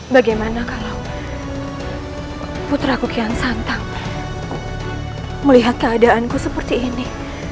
bagaimana kalau putraku kian santap melihat keadaanku seperti ini